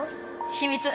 秘密。